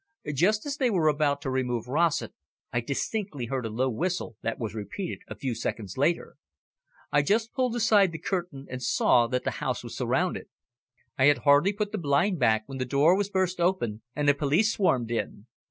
"Just as they were about to remove Rossett, I distinctly heard a low whistle, that was repeated a few seconds later. I just pulled aside the curtain, and saw that the house was surrounded. I had hardly put the blind back when the door was burst open and the police swarmed in.